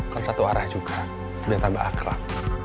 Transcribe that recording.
kan satu arah juga biar tambah akrab